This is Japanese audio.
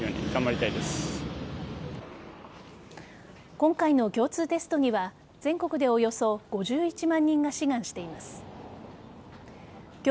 今回の共通テストには全国でおよそ５１万人が志願しています。